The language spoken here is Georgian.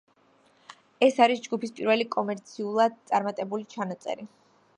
ეს არის ჯგუფის პირველი კომერციულად წარმატებული ჩანაწერი.